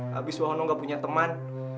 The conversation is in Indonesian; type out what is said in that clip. habis wahono gak punya teman